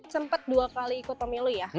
sempat dua kali ikut pemilu ya